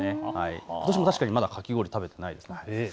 私もまだ確かにかき氷食べてないです。